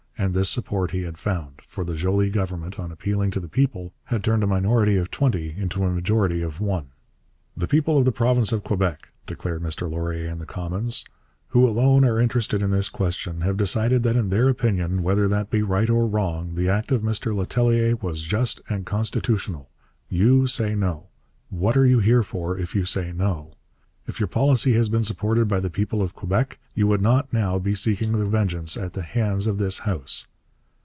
And this support he had found; for the Joly Government, on appealing to the people, had turned a minority of twenty into a majority of one. 'The people of the province of Quebec,' declared Mr Laurier in the Commons, 'who alone are interested in this question, have decided that in their opinion, whether that be right or wrong, the act of Mr Letellier was just and constitutional.... You say No. What are you here for if you say No? If your policy had been supported by the people of Quebec, you would not now be seeking vengeance at the hands of this House.'